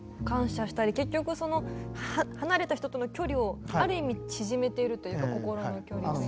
感謝したり結局離れた人との距離をある意味縮めてるというか心の距離。